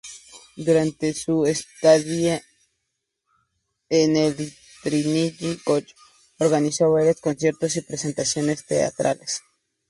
Durante su estadía en el Trinity College, organizó varios conciertos y presentaciones teatrales.